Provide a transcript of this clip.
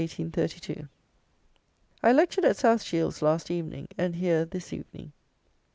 _ I lectured at South Shields last evening, and here this evening.